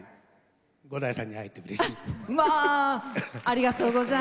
伍代さんに会えてうれしい。